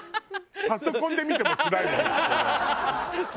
パソコンで見てもつらいの液晶画面。